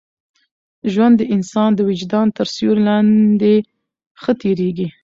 ژوند د انسان د وجدان تر سیوري لاندي ښه تېرېږي.